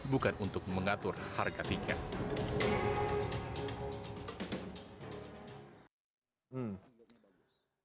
bukan untuk mengatur harga tiket